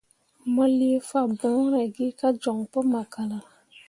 Mo lii fambõore gi kah joɲ pu makala.